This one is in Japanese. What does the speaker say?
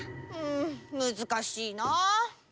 うんむずかしいな。